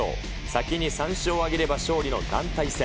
先に３勝を挙げれば勝利の団体戦。